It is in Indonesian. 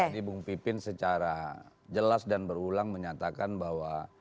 tadi bung pipin secara jelas dan berulang menyatakan bahwa